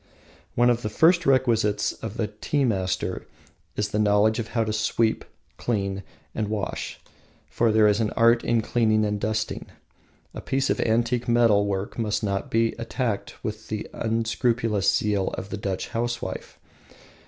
One of the first requisites of a tea master is the knowledge of how to sweep, clean, and wash, for there is an art in cleaning and dusting. A piece of antique metal work must not be attacked with the unscrupulous zeal of the Dutch housewife.